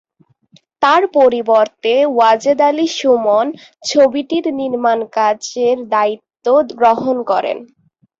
তার পরিবর্তে ওয়াজেদ আলী সুমন ছবিটির নির্মাণ কাজের দায়িত্ব গ্রহণ করেন।